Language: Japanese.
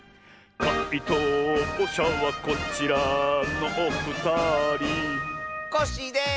かいとうしゃはこちらのおふたりコッシーです！